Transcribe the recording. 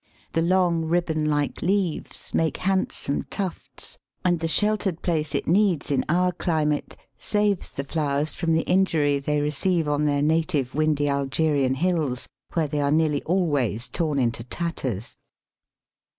The long ribbon like leaves make handsome tufts, and the sheltered place it needs in our climate saves the flowers from the injury they receive on their native windy Algerian hills, where they are nearly always torn into tatters.